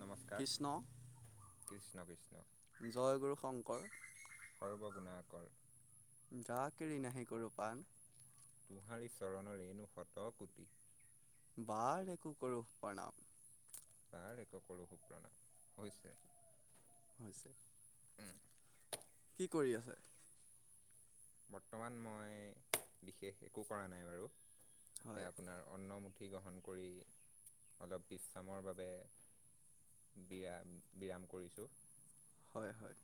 নমস্কাৰ কৃষ্ণ। কৃষ্ণ কৃষ্ণ। জয়গুৰু শংকৰ। কৰ। যা কেৰি নাহি কৰো পণ। টোহাৰি চৰণৰেনো শত কোটি। বাৰ একো কৰোহ প্ৰণাম। তাৰ একো কৰো সু- প্ৰণাম হৈছে। হৈছে। উমঁ। কি কৰি আছে? বৰ্তমান মই বিশেষ একো কৰা নাই বাৰু এ হয় আপোনাৰ অন্ন-। পুথি গ্ৰহণ কৰি অলপ বিশ্ৰামৰ বাবে। বিৰা বিৰাম কৰিছো। হয়- হয়।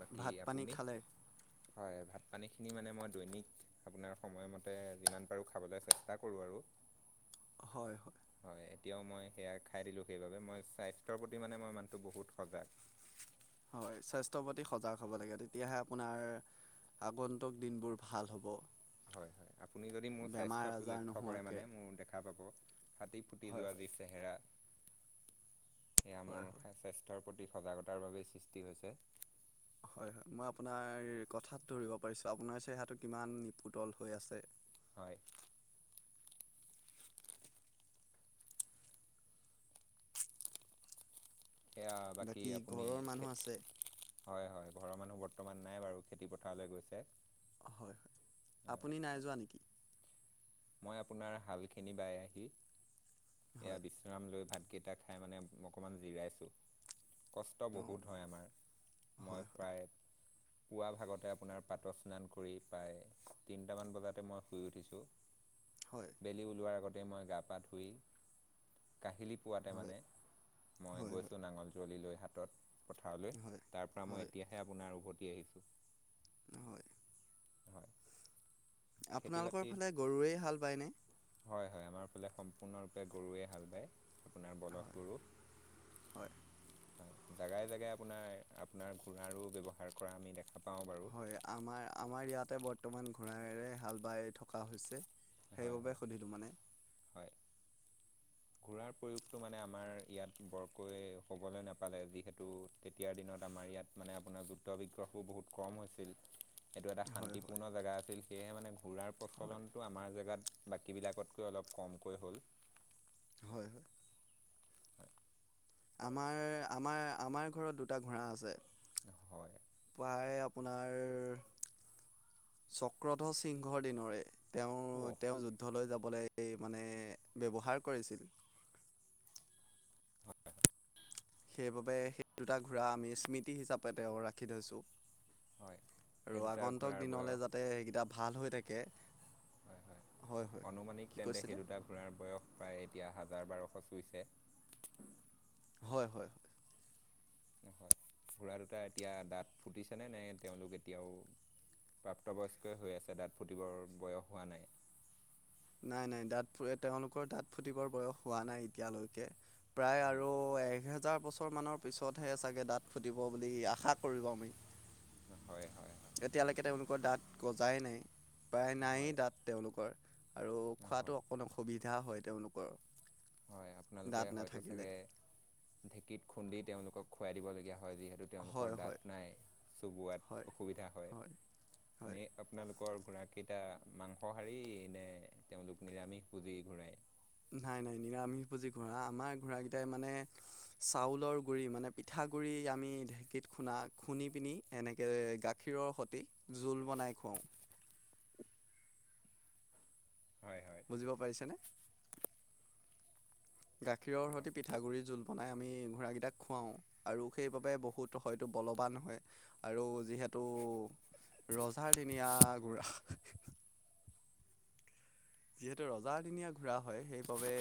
বাকী ভাত -পানী আপুনি খালে? হয়, ভাত পানীখিনি মানে মই দৈনিক আপোনাৰ সময়মতে যিমান পাৰোঁ খাবলৈ চেষ্টা কৰোঁ আৰু। হয়। হয় এতিয়াও মই সেয়া খাই দিলোঁ সেইবাবে মই স্বাস্থ্যৰ প্ৰতি মানে মই মানুহটো বহুত সজাগ। হয় স্বাস্থ্যৰ প্ৰতি সজাগ হ'ব লাগে তেতিয়াহে আপোনাৰ আগন্তুক দিনবোৰ ভাল হ'ব। হয়- হয় আপুনি যদি মোৰ বেমাৰ স্বাস্থ্যটো আজাৰ লক্ষ্য কৰে নোহোৱাকৈ মানে মোৰ দেখা পাব। ফাটি ফুটি হয় যোৱা হয় যি চেহেৰা। এয়া হয় হয় মোৰ স্বাস্থ্যৰ প্ৰতি সজাগতাৰ বাবেই সৃষ্টি হৈছে। হয় -হয় মই আপোনাৰ কথাত ধৰিব পাৰিছো আপোনাৰ চেহেৰাটো কিমান নিপুতল হৈ আছে। হয়। সেয়া বাকী আপুনি ঘৰৰ মানুহ খে--্ আছে হয় -হয় ঘৰৰ মানুহ বৰ্তমান নাই বাৰু খেতি পথাৰলৈ গৈছে। হয় হয় হয় আপুনি নাই যোৱা নেকি? মই আপোনাৰ হালখিনি বাই আহি-। এয়া হয় বিশ্ৰাম লৈ ভাতকেইটা খাই মানে অকণমান জিৰাইছোঁ। কষ্ট অঁ বহুত হয় আমাৰ মই হয় প্ৰায়। পুৱা ভাগতে আপোনাৰ পাত স্নান কৰি প্ৰায় তিনিটামান বজাতে মই শুই উঠিছোঁ। হয় হয় বেলি ওলোৱাৰ আগতেই মই গা পা ধুই। কাহিলী পোৱাতে হয় মানে মই হয় হয় গৈছোঁ নাঙল যুৱলি লৈ। পথাৰলৈ হয় তাৰ পৰা মই হয় এতিয়াহে আপোনাৰ উভতি আহিছোঁ। হয়। হয়। খেতি আপোনালোকৰ বাতিত ফালে গৰুৰেই হাল বায়নে? হয় হয় আমাৰ ফালে সম্পূৰ্ণৰূপে গৰুৱে হাল বায়। আপোনাৰ বলধ হয় গৰু। হয় হয়। জোগাই জেগাই আপোনাৰ আপোনাৰ ঘোঁৰাৰো ব্যৱহাৰ কৰা আমি দেখা। পাওঁ বাৰু হয় আমাৰ আমাৰ ইয়াতে বৰ্তমান ঘোৰাৰে হাল বাই থকা হৈছে। হয় সেইবাবে হয় সুধিলো মানে। ঘোৰাৰ প্ৰয়োগটো মানে আমাৰ ইয়াত বৰকৈ হ'ব টা আমাৰ ইয়াত মানে আপোনাৰ যুদ্ধ বিগ্ৰহো বহুত কম হৈছিল। এইটো এটা হয় হয় শান্তিপূৰ্ণ জেগা আছিল সেয়েহে মানে ঘূৰাৰ হয় প্ৰচলনটো আমাৰ জেগাত। বাকীবিলাকতকৈ অলপ কমকৈ হ'ল। হয়, হয়। হয়। আমাৰ আমাৰ আমাৰ ঘৰত দুটা ঘোঁৰা আছে। হয় প্ৰায় আপোনাৰ চক্ৰধ সিংহৰ দিনৰে। অ' তেওঁ তেওঁ যুদ্ধলৈ যাব। বোলে এই মানে ব্যৱহাৰ কৰিছিল। সেইবাবে সেই দুটা ঘূঁৰা আমি স্মৃতি হিচাপে তেওঁ ৰাখি থৈছোঁ। হয় সেই আৰু দুটাৰ আগন্তক ঘোঁৰাৰ বয়স দিনলে যাতে সেইকেইটা ভাল হৈ থাকে। হয় হয় হয় অনুমানিক কি তেন্তে কৈছিলে সেই দুটা ঘোঁৰা বয়স প্ৰায়। এতিয়া হাজাৰ বাৰশ চুইছে। হয়, হয়, হয়। হয় ঘোঁৰা দুটা এতিয়া দাঁত ফুটিছেনে নে তেওঁলোক এতিয়াও প্ৰাপ্তবয়স্কই হৈ আছে দাঁত ফুটিবৰ বয়স হোৱা নাই নাই নাই দাঁতু তেওঁলোকৰ দাঁত ফুটিবৰ বয়স হোৱা নাই এতিয়ালৈকে। প্ৰায় হয় আৰু এ হাজাৰ বছৰমানৰ পিছতহে চাগে দাঁত ফুটিব বুলি আশা কৰিব আমি। হয় হয়। হয় এতিয়ালৈকে তেওঁলোকৰ দাঁত গজাই নাই প্ৰায় হয় নায়েই দাঁত তেওঁলোকৰ। আৰু হয় খোৱাতটো অকণ অসুবিধা হয় তেওঁলোকৰ। হয় আপোনালোকে দাঁত হয়তো নাথাকিলে চাগে ঢেঁকীত খুন্দি তেওঁলোকক খুৱাই দিবলগীয়া হয়। যিহেতু তেওঁলোকৰ হয় হয় দাত নাই চোবোৱা হয় ত অসুবিধা হয়। হয় তেওঁলোকৰ ঘোৰাকেইটা মাংস সাৰি নে তেওঁলোক নিৰামিষ পুজি কৰে? নাই-নাই নিৰামিষ পুঁজি ঘোঁৰা। আমাৰ ঘোঁৰাৰাকেইটাই মানে চাউলৰ গুৰি মানে পিঠাত। গুৰি আমি ঢেঁকীত খুন্দা খুন্দি পিনি এনেকে গাখীৰৰ সতে জোল বনাই। অওঁ। হয় হয় বুজিব পাৰিছেনে? গাখীৰৰ সতে পিঠাগুৰি জোল বনাই আমি ঘোঁৰা কেইটাক খুৱাও আৰু সেইবাবে বহুত হয় তো। বলৱান হয় আৰু যিহেতু ৰজাৰ দিনীয়া ঘুৰা। যিহেতু ৰজাদিনীয়া ঘূৰা হয়, সেইবাবে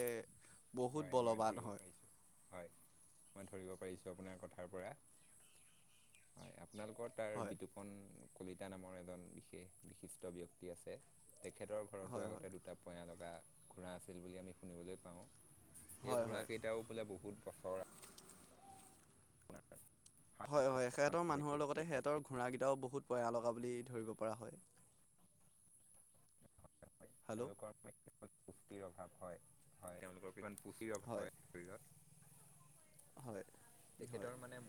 বহুত হয় মই বলৱান ধৰিব হয়। পাৰিছোঁ হয় মই ধৰিব পাৰিছোঁ আপোনাৰ কথাৰ পৰা হয়। আপোনালোকৰ তাৰ হয় বিতুপন কলিতা নামৰ এজন বিশেষ বিশিষ্ট ব্যক্তি আছে। তেখেতৰ ঘৰতো হয় হয় আগতে দুটা পয়া লগা ঘোঁৰা আছিল বুলি আমি শুনিবলৈ পাওঁ। সেই হয় ঘোঁৰা হয় কেইটাও বোলে বহুত বছৰ। হয় হয় সিহঁতৰ মানুহৰ আপোনাৰ লগতে সিহঁতৰ ঘোঁৰাকেইটাও বহুত পয়া লগা বুলি ধৰিব পৰা হয়। [inaudible] হয় হেল্ল' তেওঁলোকৰ পুষ্টিৰ অভাৱ হয় হয় তেওঁলোকৰ ইমান পুচিৰ ৰ হয় শৰীৰত হয় হয় তেখেতৰ মানে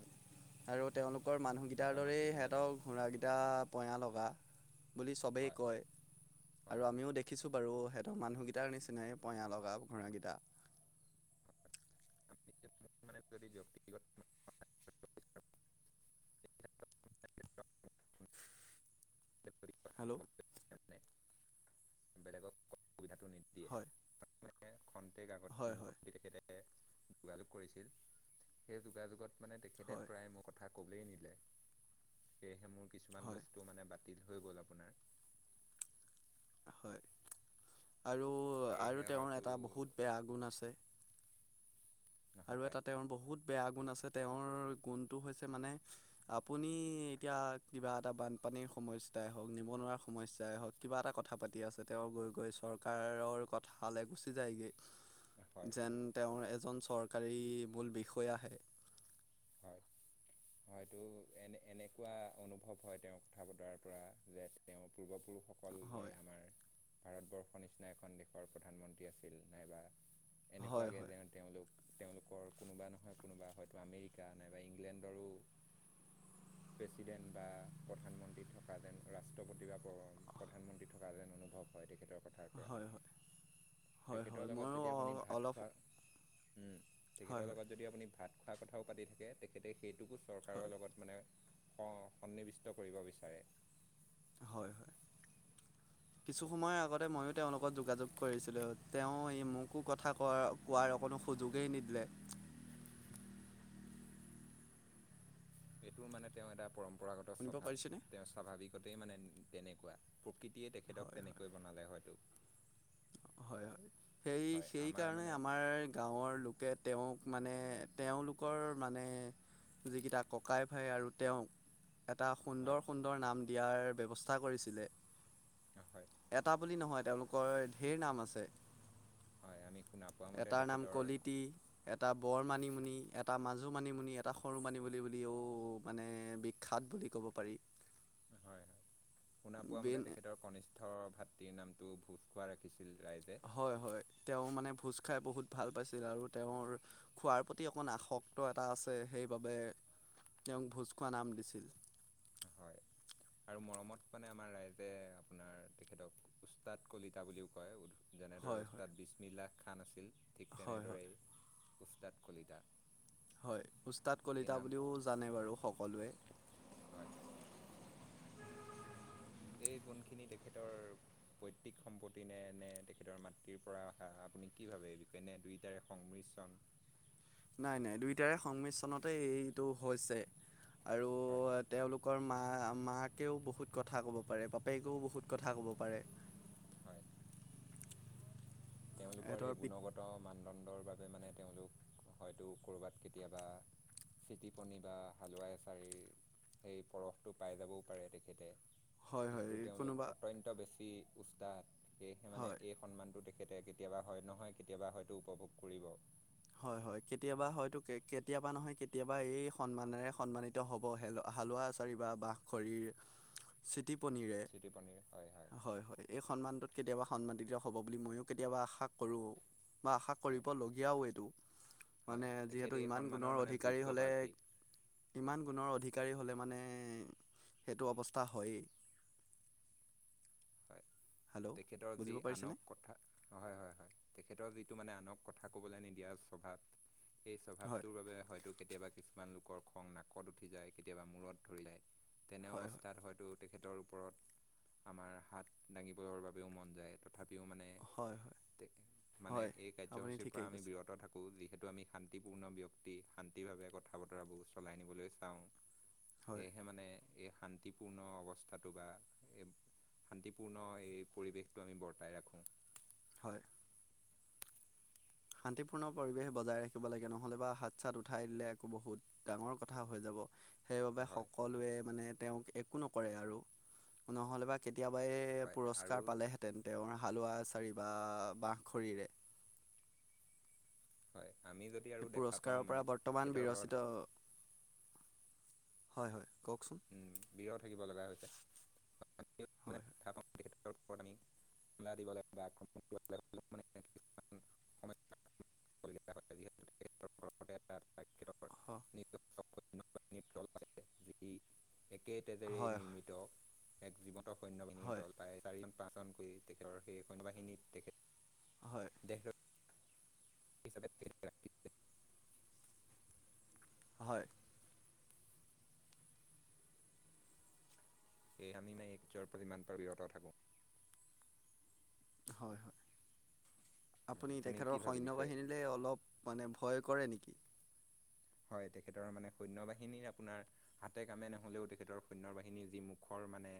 আৰু তেওঁলোকৰ মানুহকেইটাৰ মতামত দৰেই যদি মই দাঙি সিহঁতক ঘোঁৰাকিটা পয়া লগা। বুলি চবেই হয় কয়, হয় আৰু হয় আমিও দেখিছো বাৰু সেহঁতৰ মানুহ গী। টাৰ নিচিনাই পয়া লগা ঘোঁৰোকেইটা। মানে যদি ব্যাক্তিগত [inaudible] [inaudible] হেল্ল' বেলেগক সুবিধাটো নিদিয়ে হয় খন্তেক আগত হয় ম হয় তেখেতে যোগাযোগ কৰিছিল সেই যোগাযোগত মানে তেখেতে হয় প্ৰায় মোৰ কথা। কবেই সিহঁতে। সেয়েহে মোৰ কিছুমান হয় বস্তু মানে বাতিল হৈ গ'ল আপোনাৰ হয়, আৰু সেয়েহে আৰু তেওঁৰ হয়তো এটা বহুত বেয়া গুণ আছে। আৰু এটা নহয় তেওঁৰ বহুত বেয়া গুণ আছে তেওঁৰ গুণটো হৈছে মানে আপুনি এতিয়া কিবা এটা বানপানীৰ সমস্যাই হওক নিবনুৱা সমস্যাই হওক কিবা এটা কথা পাতি আছে তেওঁ গৈ চৰকাৰৰ কথালৈ গুচি যায় গে। হয় যেন হয় তেওঁৰ এজন চৰকাৰী মূল বিষয়া হে। হয় [inaudible] হয়তো এনে এনেকুৱা অনুভৱ হয় তেওঁ কথা বতৰাৰ পৰা যে তেওঁৰ পূৰ্বপুৰুষ সকলে হয় আমাৰ ভাৰতবৰ্ষৰ নিচিনা এখন দেশৰ প্ৰধানমন্ত্ৰী আছিল নাইবা হয় এনেকুৱাকে হয় যে তেওঁলোক তেওঁলোকৰ কোনোবা নহয় কোনোবা হয়তো আমেৰিক- কা নাইবা ইংলেণ্ডৰো [inaudible] প্ৰেছিডেণ্ট বা প্ৰধানমন্ত্ৰী থকা যেন ৰাষ্ট্ৰপতি বা প্ৰধানমন্ত্ৰী থকা যেন অনুভৱ। হয় [inaudible] কথাৰ তেখেতৰ পৰা হয় হয় হয় তেখেতৰ হয় লগত ময়ো যদি আপুনি অ- ভাত অলপ খোৱা হয় তেখেতৰ হয় লগত যদি আপুনি ভাত খোৱা কথাও পাতি থাকে, তেখেতে সেইটোকো চৰকাৰৰ হয় লগত মানে স সন্নিৱিষ্ট কৰিব বিচাৰে। হয় হয়। কিছু সময়ৰ আগতে ময়ো তেওঁলোকত যোগাযোগ কৰিছিলোঁ তেওঁ এই মোকো কথা কোৱা কোৱাৰ অকণো সুযোগেই নিদিলে। এইটোৰ মানে তেওঁ এটা পৰম্পৰাগত শুনিব স্বভাৱ। পাৰিছেনে তেওঁ স্বাভাৱিক মানে তেনেকুৱা প্ৰকৃতিয়ে তেখেতক হয় হয় তেনেকৈ বনালে হয়তো। হয় হয়, সেই হয় আমাৰ সেইকাৰণে মানে আমাৰ গাঁৱৰ লোকে তেওঁক মানে তেওঁলোকৰ মানে যিকেইটা ককাই ভাই আৰু তেওঁক এটা হয় সুন্দৰ সুন্দৰ নাম দিয়াৰ ব্যৱস্থা কৰিছিলে। হয় এটা বুলি নহয় তেওঁলোকৰ ঢেৰ নাম আছে। হয় আমি শুনা পোৱা মতে এটাৰ নাম তেখেতৰ কলতি, এটা বৰ মণিমুনি, এটা ম- কাজু মানিমুনি, এটা সৰু মানিম বুলি বুলিও মানে বিখ্যাত বুলি ক'ব পাৰি। হয়, হয়। শুনা পোৱা বিন মতে তেখেতৰ কনিষ্ঠ ভাতৃৰ নামটো ভোজ খোৱা ৰাখিছ- হয় হয় তেওঁ মানে ভোজ খাই বহুত ভাল পাইছিল আৰু তেওঁৰ খোৱাৰ প্ৰতি অকণ আসক্ত এটা আছে সেইবাবে তেওঁক ভোজ খোৱা নাম দিছিল। হয় আৰু মৰমত মানে আমাৰ ৰাইজে, আপোনাৰ তেখেতক উস্তাদ কলিতা বুলিও কয়। উ যেনেদৰে হয় হয় ওস্তাদ বিছমিল্লা খান আছিল ঠিক হয় হয় তেনেদৰেই উস্তাদ কলিতা হয়। উস্তাদ এই কলিতা নাম বুলিও জানে বাৰু সকলোৱে। হয়। এই গুণখিনি তেখেতৰ পৈতৃক সম্পত্তি নে, নে তেখেতৰ মাতৃৰ পৰা অহা আপুনি কি ভাবে এই বিষয়ে নে দুইটাৰে সংমিশ্ৰণ [inaudible] নাই নাই দুইটাৰে সংমিশ্ৰণতে এইটো হৈছে আৰু হয় তেওঁলোকৰ মা মাকেও বহুত কথা ক'ব পাৰে বাপেকেও বহুত কথা কব পাৰে। হয় তেওঁলোকৰ ইহঁতৰ এই পিত গুণগত মানদণ্ডৰ বাব- বাবে মানে তেওঁলোক হয়তো কৰবাত কেতিয়াবা চিটি পনি বা হালোৱাই এছাৰিৰ সেই পৰফটো পাই যাবও পাৰে তেখেতে হয় হয় যিহেতু তেওঁলোক কোনোবা অত্যন্ত বেছি উস্তাদ সেয়েহে মানে হয় এই সন্মানটো তেতে কেতিয়াবা হয় নহয় কেতিয়াবা হয়তো উপভোগ কৰিব। হয় হয় কেতিয়াবা হয়তো কেতিয়াবা নহয় কেতিয়াবা এই সন্মানেৰে সন্মানিত হ'বহে হালোৱা এচাৰি বা বাঁহ খৰিৰ চিটি পনিৰে, জ্যোতি পনীৰ হয় হয় - হয়। এই সন্মানটোত কেতিয়াবা সন্মানিত হ'ব বুলি মইয়ো কেতিয়াবা আশা কৰোঁ বা আশা হয় কৰিবলগীয়াও এইটো। হয় মানে তেখেত যিহেতু এই ইমান সন্মানৰ গুণৰ মানে অধিকাৰী যোগ্য হ'লে, প্ৰাৰ্থী ইমান গুণৰ অধিকাৰী হ'লে মানে সেইটো অৱস্থা হয়েই। হেল্ল' তেখেতৰ যি বুজিব পাৰিছেনে আনক কথা- হয় - হয়, তেখেতৰ যি টো মানে আনক কথা কবলৈ নিদিয়া স্বভাৱ, এই হয় স্বভাৱটোৰ বাবে হয়তো কেতিয়াবা কিছুমান লোকৰ খং নাকত উঠি যায়, কেতিয়াবা মূৰত ধৰি যায়। তেনে হয় হয় অৱস্থাত হয়তো তেখেতৰ ওপৰত আমাৰ হাত দাঙিবৰ বাবেও মন যায়। তথাপিও মানে- হয় হয় মানে হয়, এই আপুনি কাৰ্যসূচীৰ পৰা ঠিকেই আমি কৈছে বিৰত থাকোঁ, বি সেইটো আমি শান্তিপূৰ্ণ ব্যক্তি, শান্তিভাৱে কথা বতৰাবোৰ চলাই নিবলৈ চাওঁ। হয় সেয়েহে মানে এই শান্তিপূৰ্ণ অৱস্থাটো বা এই শান্তিপূৰ্ণ এই পৰিৱেশটো আমি বৰ্তাই ৰাখোঁ। হয়। শান্তিপূৰ্ণ পৰিৱেশে বজাই ৰাখিব লাগে। নহ'লে বা হাত-চাত উঠাই দিলে আকৌ বহুত ডাঙৰ কথা হৈ যাব। সেইবাবে হয় সকলোৱে মানে তেওঁক একো নকৰে আৰু। নহ'লেবা কে তিয়াবাই হয় আৰু পুৰস্কাৰ পালেহেঁতেন। তেওঁৰ হালোৱা এচাৰি বা বাঁহ খৰিৰে। হয়। আমি যদি আৰু সেই দেখা পাওঁ পুৰস্কাৰৰ মানে পৰা বৰ্তমান তেখেতৰ ঘৰত বিৰচিত, হয় - হয়। কওকচোন উম, বিৰত থাকিব লগা হৈছে। হয় [unintelligible] [unintelligible] [inaudible] হয় [unintelligible] ই একে তেজেৰে হয় নিৰ্মিত, এক জীৱন্ত সৈন্যবাহিনীৰ হয় দল প্ৰায় চাৰি পাচন কৰি তেখেতৰ সেই সৈন্য বাহিনীৰ হয় তেখেত দেহৰ হিচাপে [unintelligible] হয়। সেয়ে আমি মাএ- এই যৰ- পৰা যিমান পাৰোঁ বিৰত থাকোঁ। হয় - হয়। হয় আপুনি তেখেতৰ কি ভাবে বিষয়ে সৈন্য-বাহিনীলে অলপ মানে ভয় কৰে নে হয়। তেখেতৰ মানে সৈন্য-বাহিনীৰ আপোনাৰ হাতে কামে নহলেও, তেখেতৰ সৈন্য-বাহিনীৰ যি মুখৰ মানে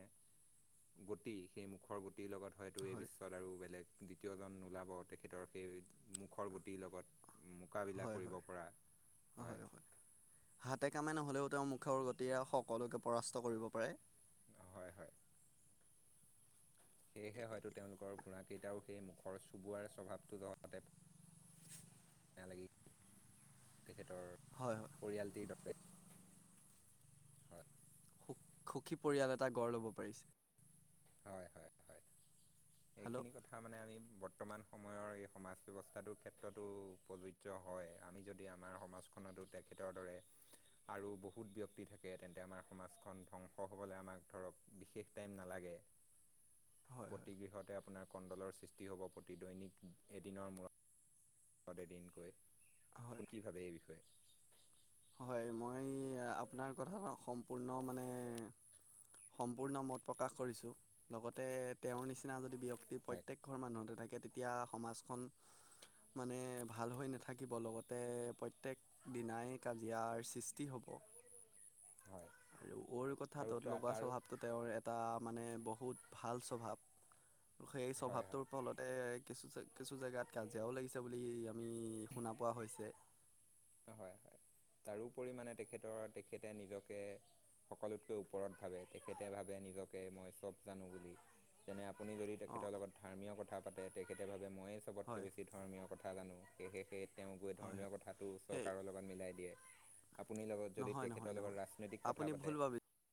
গতি, সেই মুখৰ গতিৰ লগত হয়তো এই হয় বিশ্বত আৰু বেলেগ দ্বিতীয়জন নোলাব, তেখেতৰ সেই মুখৰ গুটিৰ লগত। মোকাবিলা হয় কৰিব হয় পৰা। হয় - হয়। হাতে-কামে ন হলেও তেওঁৰ মুখৰ গতিয়ে সকলোকে পৰাস্ত কৰিব পাৰে। অ' হয় - হয়। সেয়েহে হয়তো তেওঁলোকৰ ঘোঁৰাকেইটাও সেই মুখৰ চুবোৱাৰ স্বভাৱটো ধৰাতে য়া লাগি- তেখেত তৰ হয় হয় পৰিয়ালটিৰ দৰে হয়। সু- সুখী পৰিয়াল এটা গঢ় ল'ব পাৰিছে। হয় - হয় - হয়। হেল্ল' এইখিনি কথা মানে আমি বৰ্তমান সময়ৰ এই সমাজ ব্যৱস্থাটোৰ ক্ষেত্ৰতো প্ৰযোজ্য হয়। আমি যদি আমাৰ সমাজ খনতো তেখেতৰ দৰে আৰু বহুত ব্যক্তি থাকে, তেন্তে আমাৰ সমাজখন ধ্বংস হ'বলৈ আমাৰ ধৰক বিশেষ টাইম নালাগে। [unintelligible] প্ৰতিগৃহতে আপোনাৰ কণ্ডলৰ সৃষ্টি হ'ব, প্ৰতি দৈনিক এদিনৰ মূৰত হত এদিনকৈ। হয় কি ভাবে এই বিষয়ে? হয়, মই আপোনাৰ কথা সম্পূৰ্ণ মানে সম্পূৰ্ণ মত প্ৰকাশ কৰিছোঁ। লগতে তেওঁৰ নিচিনা যদি ব্যক্তি হয় প্ৰত্যেক ঘৰ মানুহতে থাকে তেতিয়া সমাজখন মানে ভাল হৈ নাথাকিব। লগতে প্ৰত্যয়েক দিনাই কাজিয়াৰ সৃষ্টি হ'ব। হয় আৰু ৰ আৰু কথাটোত তা লগোৱা তাৰো স্বভাৱটো তেওঁৰ এটা মানে বহুত বহুত ভাল স্বভাৱ। সেই হয় হয় স্বভাৱটোৰ ফলতে কিছু কিছু জেগাত কাজিয়াও লাগিছে বুলি আমি শুনা পোৱা হৈছে। তাৰো পৰিমাণে তেখেতৰ তেখেতে নিজকে সকলোতকৈ ওপৰত ভাবে তেখেতে ভাবে- নিজকে মই চব জানো বুলি যেনে- আপুনি যদি অঁ তেখেতৰ লগত ধৰ্মীয় কথা পাতে তেখেতে ভাবে ময়ে হয় চবতকৈ বেছি ধৰ্মীয়, কথা জানো। সেয়ে সে তেওঁ গৈ হয় ধৰ্মীয়, হয় কথাটো সেই চৰকাৰৰ লগত মিলাই দিয়ে। আপুনি লগত যদি নহয় নহয় তেখেতৰ লগত নহয় ৰাজনৈতিক কথা আপুনি পাতে- ভুল ভাবিছে